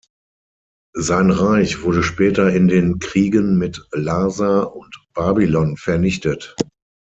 Sein Reich wurde später in den Kriegen mit Larsa und Babylon vernichtet.